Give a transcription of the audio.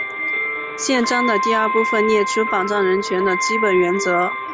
宪章的第二部分列出保障人权的基本原则。